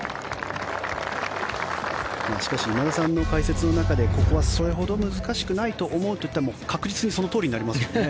しかし、今田さんの解説の中でここはそれほど難しくないと思うといったら確実にそのとおりになりますね。